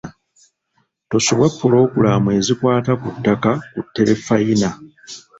Tosubwa pulogulaamu ezikwata ku ttaka ku Terefayina.